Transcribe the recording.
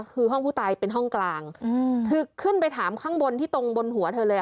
คือห้องผู้ตายเป็นห้องกลางคือขึ้นไปถามข้างบนที่ตรงบนหัวเธอเลย